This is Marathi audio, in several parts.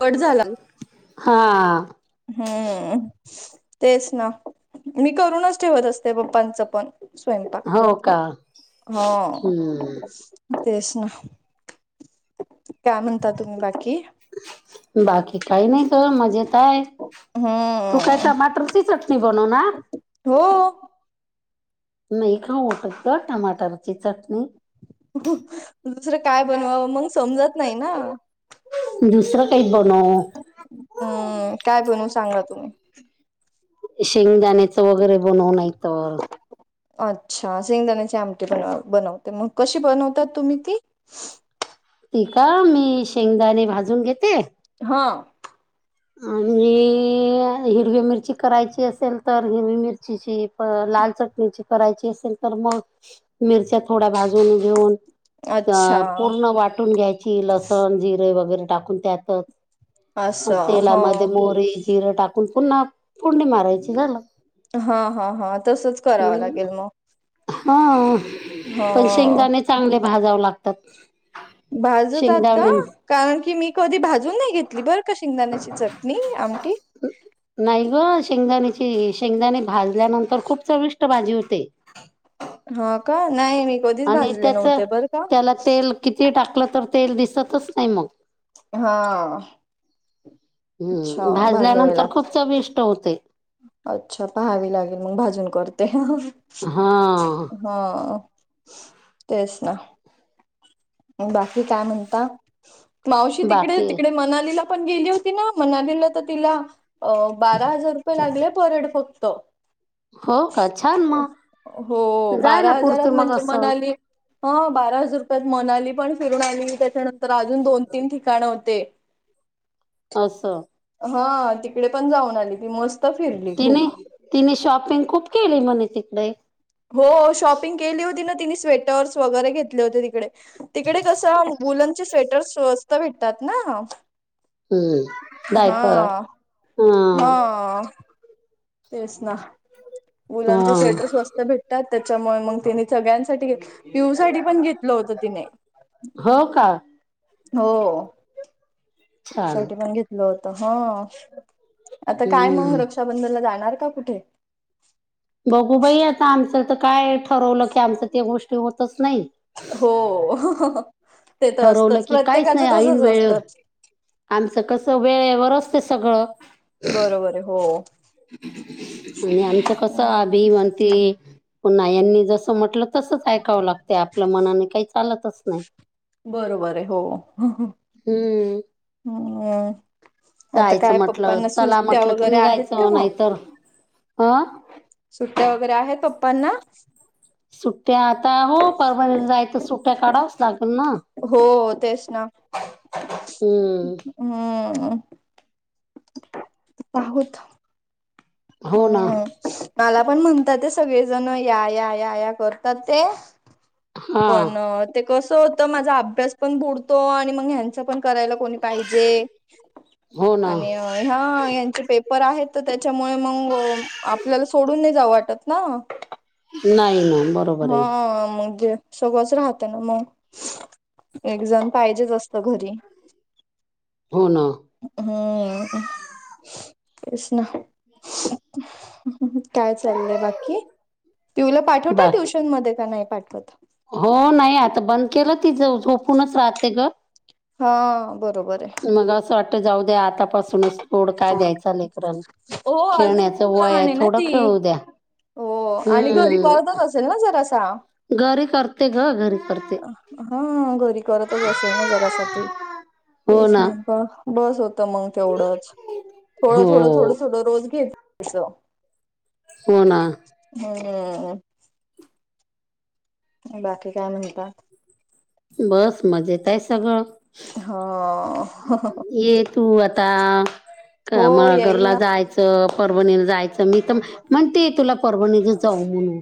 कट झाला. हा. हम्म तेच ना मी करूनच ठेवत असते पप्पांचं पण. स्वयंपाक हो का हो. हम्म तेच ना काय म्हणता तुम्ही बाकी? बाकी काय नाय. तो मजेत आहे तू काय हम्म टमाटरची चटणी बनवणार? हो. नाही खा ओटत का टमाटरची चटणी? दुसरं काय बनवावं, मग समजत नाही ना. दुसरं काही बनव. हम्म काय बनवू सांगा तुम्ही. शेंगदाण्याचं वगैरे बनव नाही तर अच्छा सेंगदाण्याचे आमटी बनवा बनवते मग कशी बनवतात तुम्ही ती? ती का मी शेंगदाणे भाजून घेते हा. आणि हिरवी मिरची करायची असेल तर हिरवी मिरचीची प लाल चटणीची करायची असेल तर मग मिरच्या थोड्या भाजून घेऊन त्या अच्छा पूर्ण वाटून घ्यायची लसण, जिरे वगैरे टाकून त्यात मग असं ह. तेलामध्ये मोरी, जिरे टाकून पुन्हा फोडणी मारायची झालं. हा हा हा तसच करावं हम्म लागेल म. हा पण ह शेंगदाणे चांगले भाजाव लागतात. भाजतात का शेंगदाणे कारण की मी कधी भाजून नाही घेत ली बरं का शेंगदाण्याची चटणी आमटी. नाही गं शेंगदाणीची शेंगदाणे भाजल्यानंतर खूप चविष्ट भाजी होते. हा का नाही मी कधीच आणि भाजले त्याच नव्हते बरं का त्याला तेल किती टाकलं तर तेल दिसतच नाही मग. हा अच्छा हम्म भाजावे भाजल्यानंतर लाग खूप चवीष्ट होते. अच्छा पहावी लागेल मग भाजून करते. हा. हो तेच ना. बाकी काय म्हणता मावशी तिकडे बाकी तिकडे मनालीला पण गेली होती ना मनालीला तर तिला अ बारा हजार रुपये लागले परेड फक्त हो का छान मग हो जायला बारा हजारात पुरते मग म्हणजे असं मनाली हो बारा हजार रुपयात मनाली पण फिरून आली त्याच्यानंतर अजून दोन-तीन ठिकाण होते. असं हा तिकडे पण जाऊन आली ती मस् तिने तिने शॉपिंग खूप केली म्हणे तिकडे. हो शॉपिंग केली होती ना तिने स्वेटर्स वगैरे घेतले होते तिकडे तिकडे कसं वुलनचे स्वेटर स्वस्त भेटतात ना. हम्म डायपर हा हा. तेच ना मुलांचे हा स्वेटर स्वस्त भेटतात त्याच्यामुळे मंग त्याने सगळ्यांसाठी घेत पीहू साठी पण घेतलं होतं तिने हो का? हो. छान साठी पण घेतलं होतं हा आता काय मंग र हम्म रक्षाबंधनला जाणार का कुठे? बघू बाई आता आमचं तर काय ठरवलं की आमचं त्या गोष्टी होतच नाही. हो ते तर ठरवलं असतच की काहीच प्रत्येकाचं नाही ऐन तसच वेळेवर असतं. आमचं कसं वेळेवर असते सगळं. बरे हो आणि आमचं कसं अभि म्हणते पुन्ह्यानी जसं म्हटलं तसच ऐकावं लागते आपल्या मनाने काही चालतच नाही. बरोबर आहे. हो हम्म हम्म. आता जायचं काय म्हटलं पप्पांना चला सुट्ट्या म्हटलं की वगैरे आहेत का निघायचं मग? नाहीतर हां. सुट्या वगैरे आहेत पप्पांना सुट्या आता हो परभणी जाय तर सुट्या काढावच लागल ना. हो तेच ना हम्म हम्म. आहोत हो ना हम्म. मला पण म्हणतात ते सगळेजण या या या या करतात ते हा पण ते कसं होतं माझा अभ्यास पण बुडतो आणि मंग ह्यांच पण करायला कोणी पाहिजे हो ना आणि ह्या यांचे पेपर आहेत तर त्याच्यामुळे मंग आपल्याला सोडून नाही जावं वाटत ना. नाही ना बरोबर आहे हा मगे सगळंच राहतं ना म एक जण पाहिजेच असतं घरी. हो ना. हम्म तेच ना. काय चाललंय बाकी पीहूला पाठवता बाकी ट्युशन मध्ये का नाही पाठवत? हो नाही आता बंद केलं तिजं झोपूनच राहते गं. हा, बरोबर आहे. मग असं वाटतं जाऊ द्या आतापासूनच थोडं काय द्यायचं लेकरन हो अजून खेळण्याचं खूप वय लहान आहे ना थोडं ती. खेळू द्या. हम्म. चल ना जरासा घरी करते गं घरी करते. हा हा घरी करतच असेल ना घरासाठी तेच ना गं. बस होतं मंग तेवढंच हो थोडं थोडं थोडं थोडं रोज घेत जायचं. हो ना. हम्म. बाकी काय म्हणता? बस मजेत आहे सगळं. हा. ये तू आता क हो म येईल घरला ना जायचंय. त परभणीला जायचं मी तर म्हणते तुला परभणीलाच जाऊ म्हणून.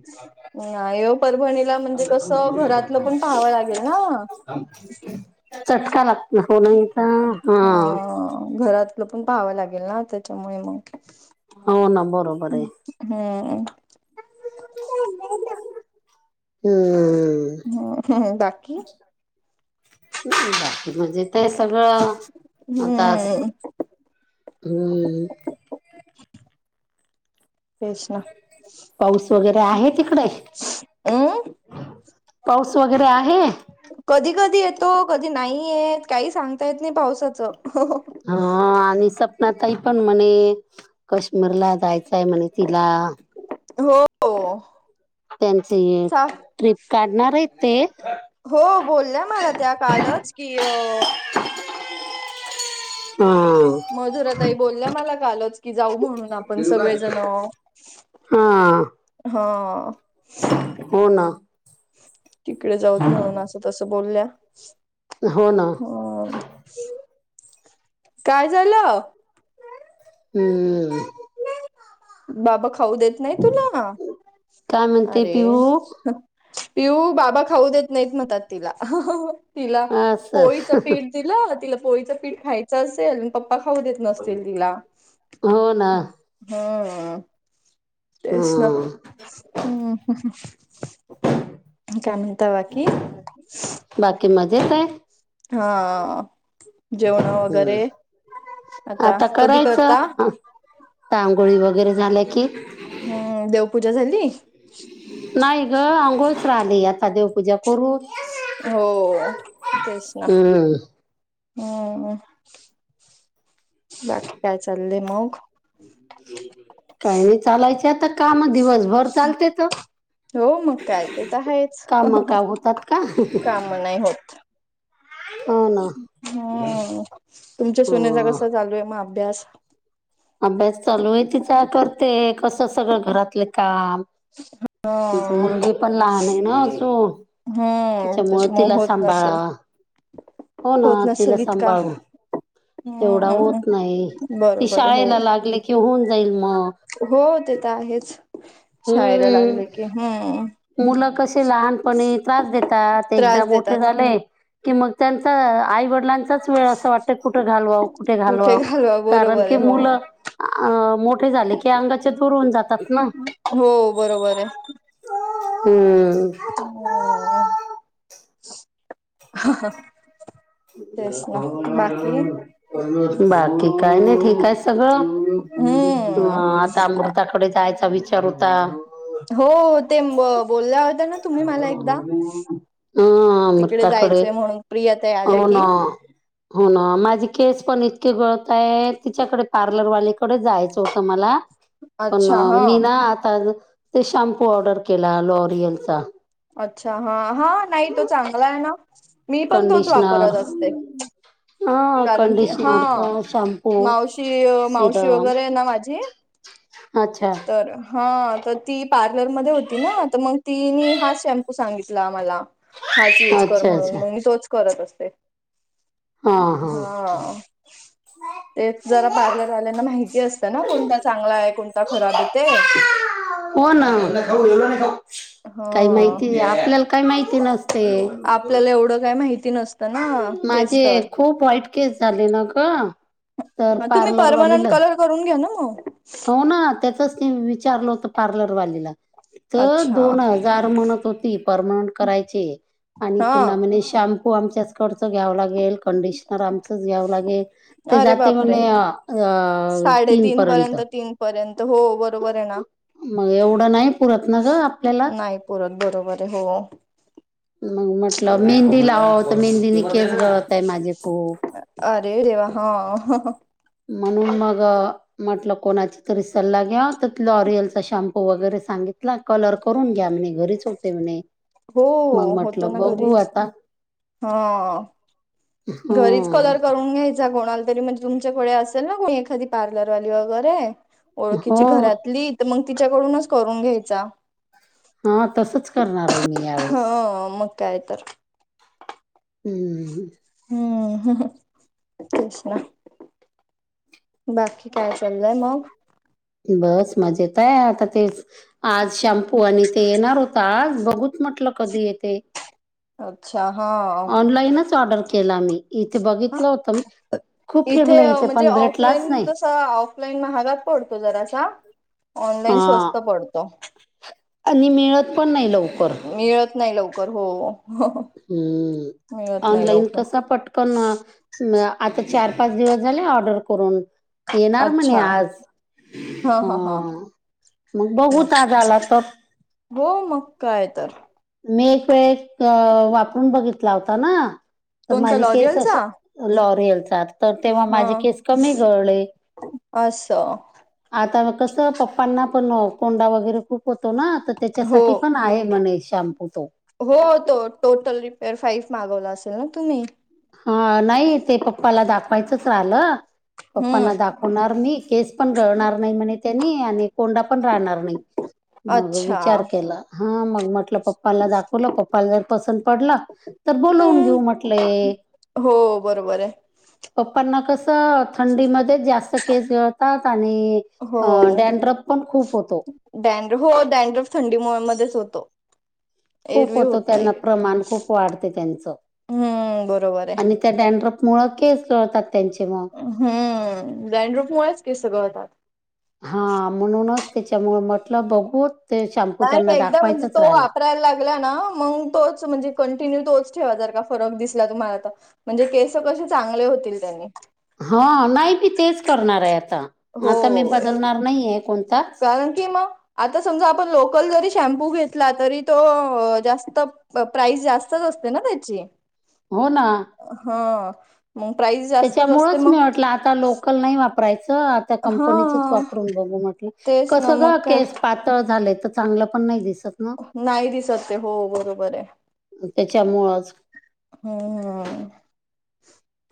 परभणी म्हणजे कस घरातलं पण पाहावं लागेल ना. चटका लागत हो ना. हा अ घरातलं पण पाहावं लागेल ना त्याच्यामुळे म्हंटल. हो ना बरोबर आहे. हम्म हम्म म हं हं बाकी. नाही बाकी म्हणजे ते सगळं होतात. हम्म हम्म. तेच ना. पाऊस वगैरे आहे तिकडे अ पाऊस वगैरे आहे. कधी कधी येतो कधी नाही येत काही सांगता येत नाही पावसाचं हो हो. हा आ आणि सपना ताई पण म्हणे कश्मीरला जायचंय हाय म्हणे तिला. हो. त्यांची सा ट्रिप काढणार आहेत ते. हो बोलल्या मला त्या कालच की अ. हम्म. मधुरा ताई बोलल्या मला कालच की जाऊ म्हणून आपण सगळेजण. हा. हा. हो ना. तिकडे जाऊच म्हणून असं तसं बोलल्या. हो ना. ह्म्म. काय झाल. हम्म. बाबा खाऊ देेत. नाही तुला काय म्हणते आरे. पिहू पिहू बाबा खाऊ देत नाहीत म्हणतात तिला अं हं हं तिला अस पोळीचं पीठ. तिला तिला पोळीचं पीठ खायचं असेल. पप्पा खाऊ देत नसतील हिला हो ना ह ह. तेच ना हम्म हम हम हं-हं काय म्हणता बाकी. बाकी मजेेत आहे. हा हा जेवण वगैरे हम्म आता कधी करता. ता आंगोळी वगैरे झाल्या की. हम्म देव पूजा झाली. नाही गं आंघोळच राहिली आता देवपूजा करू. हो हो तेच ना हम्म हम्म हम्म. बाकी काय चालय मग. काही नाही चालायचे आता कामा दिवसभर चालतेचं. हो मग काय ते तर आहेच हं काम हं का हं होतात का काम नाही होत. हो ना हम्म ह्म्म तुमचं सुनेचा हम्म कसं चालू आहे म अभ्यास. अभ्यास चालू आहे तीचा करते, कसं सगळं घरातले काम त्याची ह मुलगी पण लहान आहे ना अजुन. हम्म त्याच्यामुळे तिला होत सांभाळा. नसेल हो ना होत तिला नसेल इतका सांभाळू एवढा हम्म होत नाही. ती बरोबर आहे हो शाळेला लागले कि होऊन जाईल. मग हो ते त आहेच शाळेला लागले हम्म की हम्म. मुलं कसे लहानपणी त्रास देतात. एकदा त्रास मोठे देतात हं. झाले की मग त्यांचा आई वडिलांचाच वेळ असं वाटतंय कुठं घालवाव, कुठे घालवाव, घालवा कारण बरोबर की आहे हो मुलं अ मोठे झाले की अंगाचे दूर होऊन जातात ना. हो, बरोबर आहे. हम्म हं. हम्म. तेच ना बाकी [unintelligible] बाकी काय नाही ठीक आहे सगळं. अ हम्म आता पुरता पुढे जायचा विचार होता. हो तें ब-बोलल्या होत ना तुम्ही मला एकदा हं तिकडे अमृताकडे जायचंय म्हणून प्रिया ताई आल्या हो ना. की हो ना. माझे केस पण इतके गळताहेत तिच्याकडे पार्लरवालीकडे जायचं होतं मला. पण अच्छा हा मी ना आता ते शॅम्पू ऑर्डर केला लॉरियलचा. अच्छा हा हा नाही तो चांगला आहे ना मी पण तोच कंडिशनर वापरत असते. [inaudible] हा कारण की हा कंडिशनरचा शॅम्पू मावशी, मावशी सिरम वगैरे आहे ना माझी अच्छा. तर हा तर ती पार्लरमध्ये होती ना, तर मग तिनी हाच शॅम्पू सांगितला मला. हाच युज कर अच्छा म्हणून अच्छा मग मी हा तोच करत असते. हा. [inaudible] तेच जरा पार्लरवाल्यांना माहिती असतं ना कोणता चांगला आहे, कोणता खराब आहे ते. हो ना. काही हा माहिती आपल्याला काही माहिती नस आपल्याला एवढं काय माहिती नस माझे खूप व्हाईट केस झाले ना ग. तर मग तुम्ही पर्मनंट पार्लरवालीला कलर करून घ्या ना मग. हो ना त्याचच ते विचारलं होत पार्लरवालीला. तर अच्छा दोन हज [unintelligible] म्हणत होती पर्मनंट करायचे आणि हा पुन्हा म्हणे शाम हो आमच्याचकडचं घ्यावं लागेल, कंडिशनर आमचंच घ्यावं लागेल. ते अरे जाते बापरे म्हणे अ साडेतीन तीनपर्यंत. पर्यंत तीन पर्यंत हो बरोबर आहे ना, मग एवढं नाही पुरत ना ग आपल्याला नाही. परत बरोबर आहे हो. मग म्हटलं मेहंदी लावावं तर मेहंदीनी केस गळत आहे माझे खूप. अरे देवा हा. म्हणून मग म्हटलं कोणाची तरी सल्ला घ्याव, तर तुला लाॅरियलचा शॅम्पू वगैरे सांगितला. कलर करून घ्या म्हणे. घरीच होते म्हणे हो मग होतो म्हटलं ना बघू घरीच आता. हा. घरीच हं कलर करून घ्यायचा कोणाला तरी म्हणजे तुमच्याकडे असेल ना कोणी एखादी पार्लरवाली वगैरे ओळखीची हो घरातली. तर मंग तिच्याकडूनच करून घ्यायचा. हा तसंच करणार आहे मी ह्यावेळी. हा मग काय तर हम्म हं. हम्म, तेच ना. बाकी काय चालय मग? बस मजेत आहे आता तेच आज शॅम्पू आणि ते येणार होत आज बघूच म्हटलं कधी येतंय. अच्छा हा ऑनलाईनच ऑर्डर केला मी इथे बघितलं होत मी खूप फिरलं इथे पण भेटलाच नाही. ह ऑफलाईन महागात पडतो जरासा ऑनलाईन हा स्वस्त पडतो. आणि मिळत पण नाही लवकर मिळत नाय लवकर हो. हम्म मिळत नाही ऑनलाईन लवकर कसा पटकन म आता चार पाच दिवस झाले ऑर्डर करून. येणार म्हणे अच्छा आज हा ह हा हा मग बघु ह ताज आला तर हो मग काय तर मी एक वेळ वापरून बघितला होता ना तर कोणता माझी केस लॉरियलचा असे लॉरियलचा तर तेव्हा माझे केस कमी गळले अस आता कसं पप्पांना पण कोंडा वगैरे खूप होतो ना तर हो त्याच्यासाठी पण आहे म्हणे शॅम्पू तो हो तो टोटल रिपेअर फाईव मागवला असेल ना तुम्ही? हा नाही ते पप्पाला दाखवायचंच राहिलं हम्म पप्पांना दाख होणार मी केस पण गळणार नाही म्हण त्यानी आणि कोंडा पण राहणार नाही. मग अच्छा विचार केला हा मग म्हटलं पप्पाला दाखवलं पप्पाला जर पसंद पडला. तर बोलवून घेऊ हम्म म्हटलंय हो बरोबर आहे. पप्पांना कसं थंडीमध्ये जास्त केस गळतात आणि हो अ डॅनड्रप पण खूप होतो. डॅनड्र हो डॅड्रोफ थंडीमुळ मध्येच होतो. खूप एरवी होतो होत नाही त्यांना प्रमाण खूप वाढते त्यांच हम्म बरोबर आहे आणि त्या डॅनड्फ मुळ केस गळतात त्यांचे मग. हम्म डँड्रफ मुळेच केस गळतात हा म्हणूनच त्याच्यामुळे म्हटलं बघू ते शॅम्पू नाही त्यांना एकदा म्हणजे दाखवायचंच तो राहिलं. वापरायला हेला ना मग तोच म्हणजे कंटिन्यू तोच ठेवा जर का फरक दिसला तुम्हाला आता. म्हणजे केस कसे चांगले होतील त्यांने हा नाही मी तेच करणार आहे, आता आता मी होय बदलणार नाही आहे कोणताच कारण की मग आता समजा आपण लोकल जरी शॅम्पू घेतला तरी तो जास्त प्राईज जास्तच असते ना त्याची? हो ना हो मग प्राईज जास्तच असते त्याच्यामुळंच मग मी म्हटलं आता लोकल नाही वापरायचं आता हा कंपनीचच वापरुन बघू म्हटल तेच ना कसं ग मग काय केस पात तळ झालंय तर चांगलं पण नाही दिसत. ना, नाही दिसत ते हो बरोबर हे त्याच्यामुळंच हम्म हम्म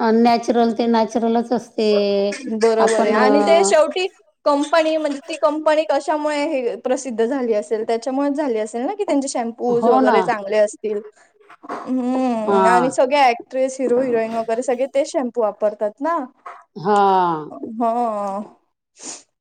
अन नॅचरल ते नॅचरलच अस बरोबर हे आणि ते शेवटी. कंपनी म्हणजे ती कंपनी कशामुळे हे प्रसिद्ध झाली असेल त्याच्यामुळेच झाली असेल ना की त्यांची शॅम उस हो ना. वगैरे चांगले असतील हम्म हां, आणि सगळे ॲक ट्रेस हिरो हिरोईन वगैरे सगळे ते शॅम्पू वापरतात ना. हा. हां.